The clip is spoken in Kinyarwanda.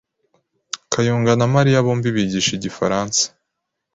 Kayonga na Mariya bombi bigisha igifaransa.